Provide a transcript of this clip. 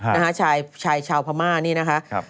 นะฮะชายชายชาวพม่านี่นะคะครับ